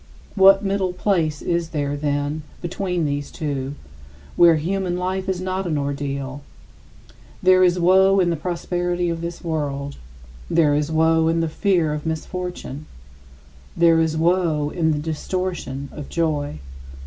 What middle place is there, then, between these two, where human life is not an ordeal? There is woe in the prosperity of this world; there is woe in the fear of misfortune; there is woe in the distortion of joy.